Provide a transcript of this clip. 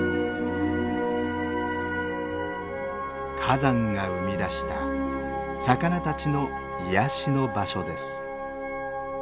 火山が生み出した魚たちの癒やしの場所です。